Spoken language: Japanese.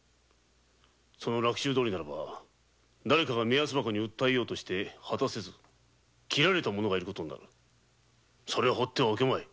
その落首のとおりならば目安箱に訴えようとして果たせず切られた者がいる事になる放ってはおけまい。